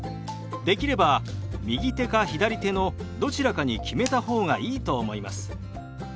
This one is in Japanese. できれば右手か左手のどちらかに決めた方がいいと思います。